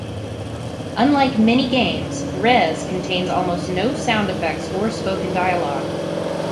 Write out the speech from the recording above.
Unlike many games, "Rez" contains almost no sound effects or spoken dialogue.